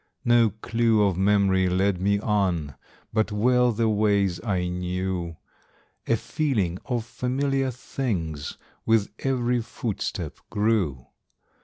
No clue of memory led me on, But well the ways I knew; A feeling of familiar things With every footstep grew.